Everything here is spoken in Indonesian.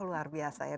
wah luar biasa ya